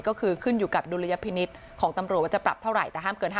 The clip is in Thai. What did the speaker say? ก็คือขึ้นอยู่กับดุลยพินิษฐ์ของตำรวจว่าจะปรับเท่าไหร่แต่ห้ามเกิน๕๐